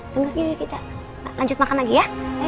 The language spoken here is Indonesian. dengerin yuk kita lanjut makan lagi ya